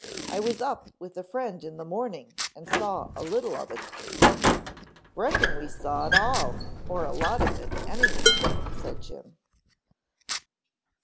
I was up with a friend in the morning and saw a little of it." "Reckon we saw it all or a lot of it, anyway," said Jim.